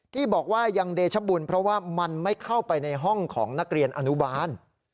กี้บอกว่ายังเดชบุญเพราะว่ามันไม่เข้าไปในห้องของนักเรียนอนุบาล